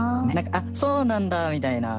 「あっそうなんだ」みたいな